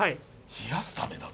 冷やすためだと。